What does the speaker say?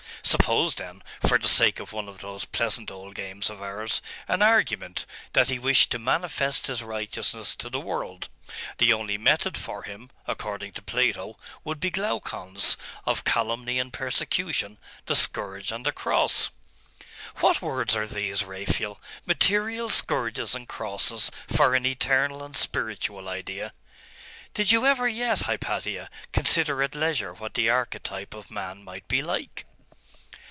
'Suppose, then, for the sake of one of those pleasant old games of ours, an argument, that he wished to manifest his righteousness to the world.... The only method for him, according to Plato, would be Glaucon's, of calumny and persecution, the scourge and the cross?' 'What words are these, Raphael? Material scourges and crosses for an eternal and spiritual idea?' 'Did you ever yet, Hypatia, consider at leisure what the archetype of man might be like?